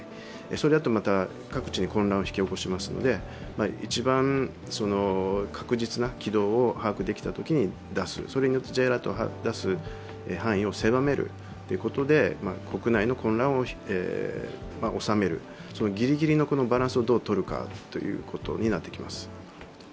それだとまた、各地に混乱を引き起こしますので一番確実な軌道を把握できたときに出す、それによってＪアラートを出す範囲を狭めることで国内の混乱を収める、ギリギリのバランスをどう取るかということになってきます。